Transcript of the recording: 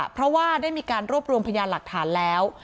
เพราะว่าได้มีการรวบรวมพยานหลักฐานแล้ว